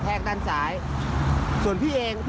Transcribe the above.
แต่ผู่เขาไม่รู้เรื่องหรอก